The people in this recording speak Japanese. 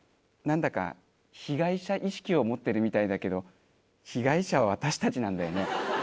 何だか被害者意識を持ってるみたいだけど被害者は私たちなんだよね。